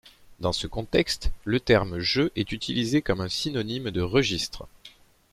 Dans ce contexte, le terme jeu est utilisé comme un synonyme de registre.